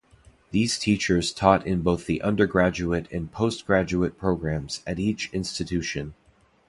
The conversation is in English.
These teachers taught in both the undergraduate and post-graduate programmes at each institution.